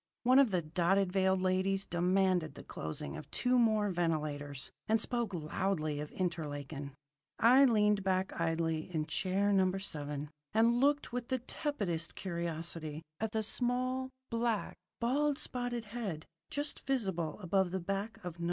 One of the dotted veiled ladies demanded the closing of two more ventilators, and spoke loudly of Interlaken. I leaned back idly in chair No. 7, and looked with the tepidest curiosity at the small, black, bald spotted head just visible above the back of No.